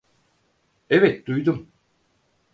Evet, duydum.